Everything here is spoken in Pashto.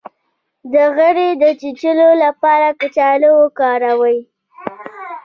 د غڼې د چیچلو لپاره کچالو وکاروئ